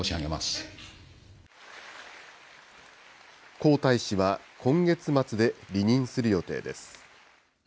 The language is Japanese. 孔大使は今月末で離任する予定です。